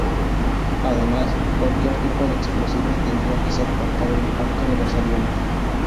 Además, cualquier tipo de explosivos tendría que soportar el impacto de los aviones.